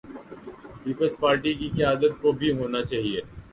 Peoples Party کی قیادت کو بھی ہونا چاہیے۔